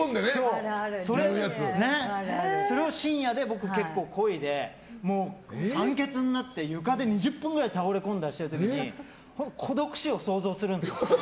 それを深夜に結構こいで、酸欠になって床で２０分くらい倒れ込んでいる時に孤独死を想像するんですよ。